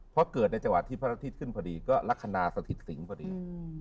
เพราะเกิดในจังหวัดที่พระอาทิตย์ขึ้นพอดีก็ลักษณะสถิตสิงห์พอดี